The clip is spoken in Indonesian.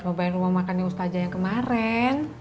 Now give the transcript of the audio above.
mau bayar rumah makan ustazah yang kemarin